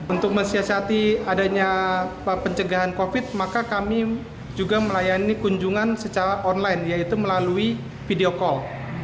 untuk mensiasati adanya pencegahan covid maka kami juga melayani kunjungan secara online yaitu melalui video call